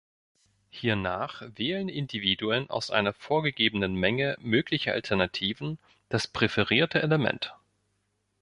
Hiernach wählen Individuen aus einer vorgegebenen Menge möglicher Alternativen das präferierte Element.